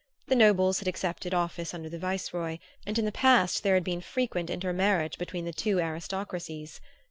The nobles had accepted office under the vice roy, and in the past there had been frequent intermarriage between the two aristocracies.